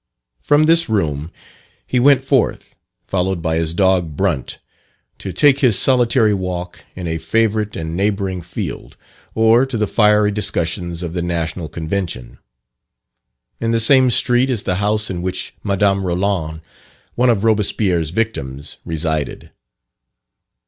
From this room he went forth, followed by his dog Brunt, to take his solitary walk in a favourite and neighbouring field, or to the fiery discussions of the National Convention. In the same street, is the house in which Madame Roland one of Robespierre's victims resided.